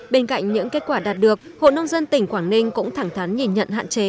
bên cạnh những kết quả đạt được hội nông dân tỉnh quảng ninh cũng thẳng thắn nhìn nhận hạn chế